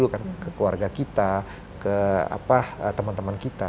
ke keluarga kita ke teman teman kita